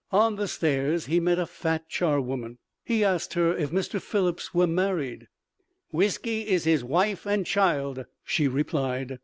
On the stairs he met a fat charwoman. He asked her if Mr. Phillips were married. "Whisky is his wife and child," she replied.